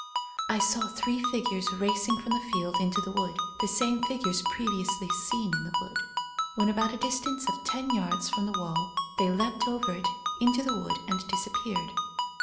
I saw three figures racing from the field into the wood — the same figures previously seen in the wood. When about a distance of ten yards from the wall they leapt over it into the wood and disappeared.